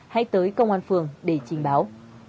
hãy tới công an phường để trình báo